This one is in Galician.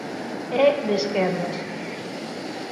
É de esquerdas.